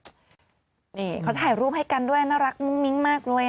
นี่เขาถ่ายรูปให้กันด้วยน่ารักมุ้งมิ้งมากด้วย